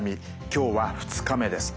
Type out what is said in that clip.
今日は２日目です。